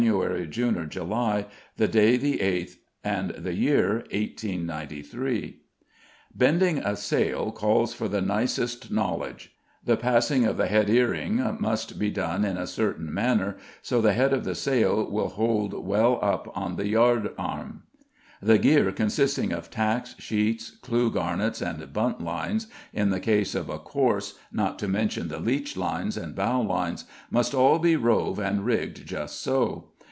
June, or July, the day the eighth, and the year 1893. Bending a sail calls for the nicest knowledge; the passing of the head earing must be done in a certain manner, so the head of the sail will hold well up on the yard arm; the gear, consisting of tacks, sheets, clew garnets, and buntlines, in the case of a "course," not to mention the leechlines, and bowlines, must all be rove and rigged just so.